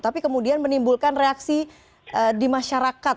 tapi kemudian menimbulkan reaksi di masyarakat